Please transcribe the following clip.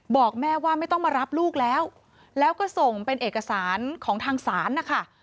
บอกแม่ว่าไม่ต้องมารับลูกแล้วแล้วก็ส่งเป็นเอกสารของทางศาลนะคะ